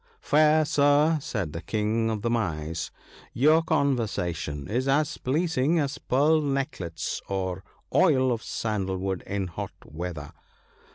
"' Fair sir,' said the King of the Mice, * your conversa tion is as pleasing as pearl necklets or oil of sandal wood ( 31 ) in hot weather.